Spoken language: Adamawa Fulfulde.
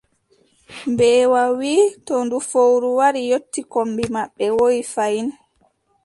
Mbeewa wii: to nde fowru wari yotti kombi maɓɓe, woyi fayin.